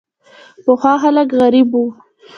پخوا خلک غریب وو.